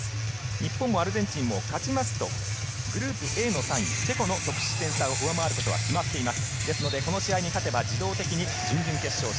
日本もアルゼンチンも勝ちますと、グループＡの３位、チェコの得失点差を上回ることは決まっています。